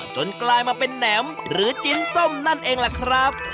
กลายมาเป็นแหนมหรือจิ้นส้มนั่นเองล่ะครับ